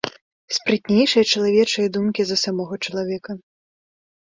Спрытнейшыя чалавечыя думкі за самога чалавека.